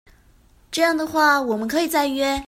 這樣的話我們可以再約